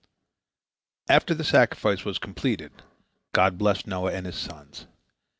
After the sacrifice was completed, God blessed Noah and his sons.